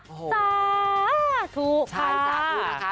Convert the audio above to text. โอ้โหจ๊ะ